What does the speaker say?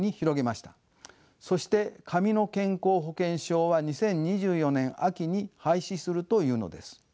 そして紙の健康保険証は２０２４年秋に廃止するというのです。